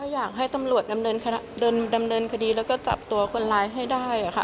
อยากให้ตำรวจดำเนินคดีแล้วก็จับตัวคนร้ายให้ได้ค่ะ